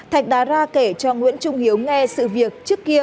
thạch đà ra kể cho nguyễn trung hiếu nghe sự việc trước kia